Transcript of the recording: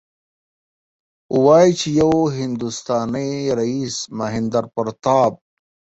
وايي چې یو هندوستانی رئیس مهیندراپراتاپ.